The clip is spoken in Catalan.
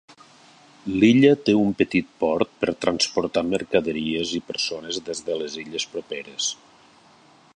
L'illa té un petit port per transportar mercaderies i persones des de les illes properes.